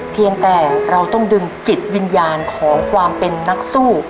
เพียงแต่เราต้องดึงจิตวิญญาณของความเป็นนักสู้